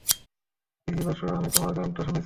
Keiji Basu, আমি তোমার গানটা শুনেছি।